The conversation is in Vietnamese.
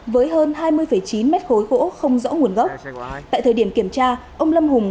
với hơn hai mươi chín mét khối gỗ không rõ nguồn gốc tại thời điểm kiểm tra ông lâm hùng